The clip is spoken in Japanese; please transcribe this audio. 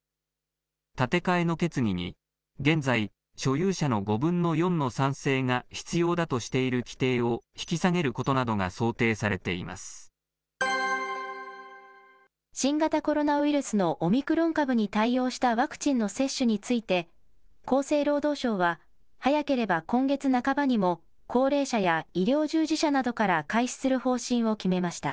建て替えの決議に現在、所有者の５分の４の賛成が必要だとしている規定を引き下げることなどが想新型コロナウイルスのオミクロン株に対応したワクチンの接種について、厚生労働省は、早ければ今月半ばにも、高齢者や医療従事者などから開始する方針を決めました。